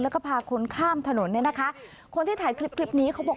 แล้วก็พาคนข้ามถนนเนี่ยนะคะคนที่ถ่ายคลิปคลิปนี้เขาบอก